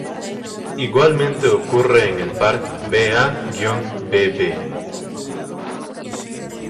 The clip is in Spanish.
Igualmente ocurre en el par Ba-Bb.